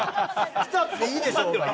来たっていいでしょうが。